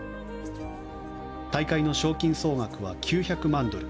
大会の賞金総額は９００万ドル